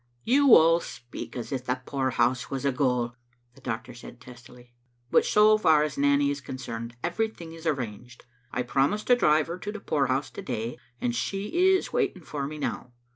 "You all speak as if the poorhouse was a gaol," the doctor said testily. " But so far as Nanny is concerned, everything is arranged. I promised to drive her to the poorhouse to day, and she is waiting for me now.